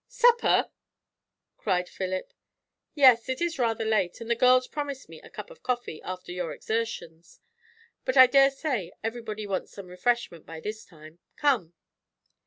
"Supper!" cried Philip. "Yes; it is rather late, and the girls promised me a cup of coffee, after your exertions! But I dare say everybody wants some refreshment by this time. Come!"